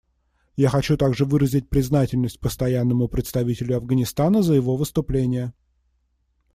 Я хочу также выразить признательность Постоянному представителю Афганистана за его выступление.